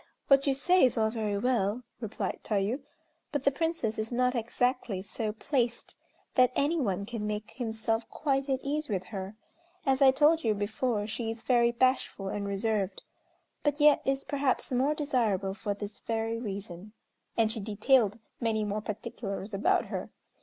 what you say is all very well," replied Tayû, "but the Princess is not exactly so placed that any one can make himself quite at ease with her. As I told you before she is very bashful and reserved; but yet is perhaps more desirable for this very reason," and she detailed many more particulars about her.